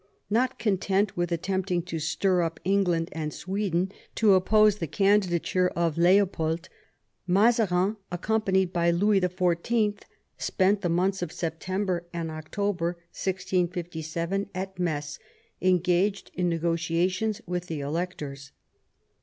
Not content with attempting to stir up England and Sweden to oppose the candidature of Leopold, Mazarin, accompanied by Louis XIV., spent the months of September and October 1657 at Metz, engaged in negotiations with the electors.